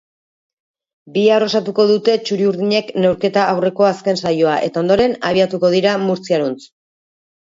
Bihar osatuko dute txuri-urdinek neurketa aurreko azken saioa eta ondoren abiatuko dira murtziaruntz.